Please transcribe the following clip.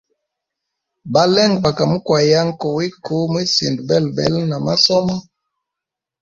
Balenge baka mukwayanga kuwiku mwisinda belabela ma masomo.